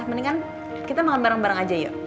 mendingan kita makan bareng bareng aja yuk